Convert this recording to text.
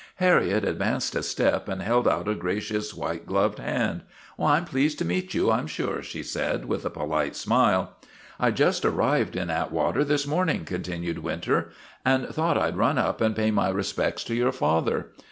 Harriet advanced a step and held out a gracious, white gloved hand. " I 'm pleased to meet you, I 'm sure," she said with a polite smile. " I just arrived in Atwater this morning," con tinued Winter, " and thought I 'd run up and pay my respects to your father.